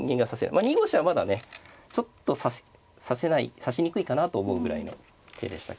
まあ２五飛車はまだねちょっと指せない指しにくいかなと思うぐらいの手でしたけど。